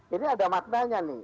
ini ada maknanya nih